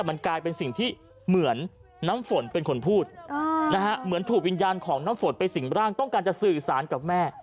มันกลายเป็นเหมือนน้ำฝนเป็นคนพูดอย่างถูกวิญญาณของน้ำฝนไปสิ่งแรกต้องการสื่อสารกับแม่